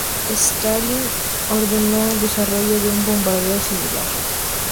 Stalin ordenó el desarrollo de un bombardero similar.